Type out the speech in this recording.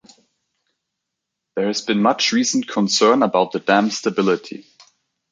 There has been much recent concern about the dam's stability.